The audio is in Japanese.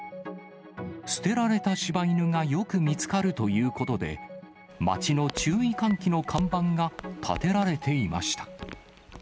捨てられたしば犬がよく見つかるということで、町の注意喚起の看板が立てられていました。